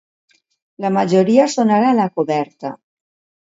La majoria són ara a la coberta.